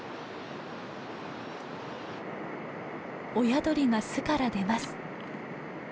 親鳥が巣から出ます。